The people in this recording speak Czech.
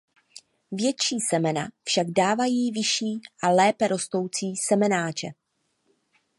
Větší semena však dávají vyšší a lépe rostoucí semenáče.